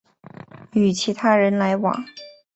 与其他人来往